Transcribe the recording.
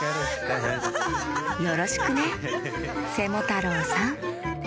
よろしくねセモタロウさん！